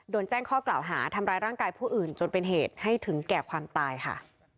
โดนแจ้งข้อกล่าวหาทำร้ายร่างกายผู้อื่นจนเป็นเหตุให้ถึงแก่ความตายค่ะ